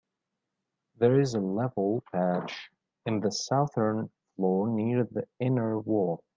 There is a level patch in the southern floor near the inner wall.